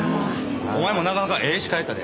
お前もなかなかええ司会やったで。